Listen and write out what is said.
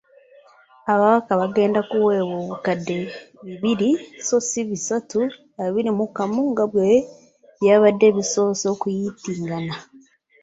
Ababaka bagenda kuweebwa obukadde bibiri so ssi bisatu abiri mu kamu nga bwe byabadde bisoose okuyitingana.